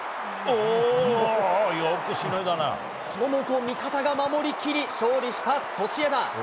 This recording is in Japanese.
おー、味方が守りきり、勝利したソシエダ。